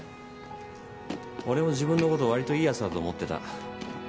俺も自分のこと割といいやつだと思ってた。